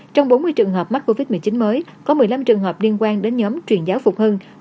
trong bốn mươi trường hợp mắc covid một mươi chín mới có một mươi năm trường hợp liên quan đến nhóm truyền giáo phục hưng